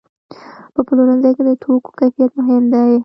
په پلورنځي کې د توکو کیفیت مهم دی.